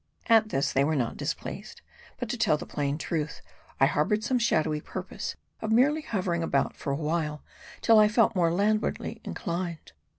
At this, they were not displeased. But to tell the plain truth, I harbored some shadowy purpose of merely hovering about for a while, till I felt more landwardly inclined.